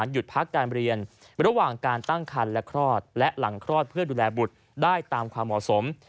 หยุดพักการเรียนระหว่างการตั้งคันและคลอดและหลังคลอดเพื่อดูแลบุตรได้ตามความเหมาะสม